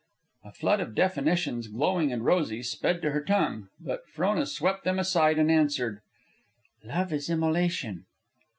A flood of definitions, glowing and rosy, sped to her tongue, but Frona swept them aside and answered, "Love is immolation."